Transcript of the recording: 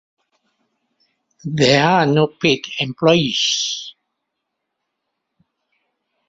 There are no paid employees.